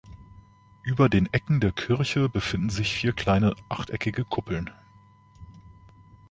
Über den Ecken der Kirche befinden sich vier kleine achteckige Kuppeln.